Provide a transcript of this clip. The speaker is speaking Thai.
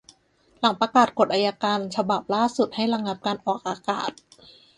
หลังประกาศกฎอัยการฉบับล่าสุดให้ระงับการออกอากาศ